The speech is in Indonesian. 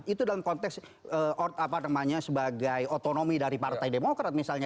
itu dalam konteks sebagai otonomi dari partai demokrat misalnya